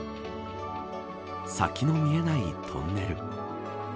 先の見えないトンネル。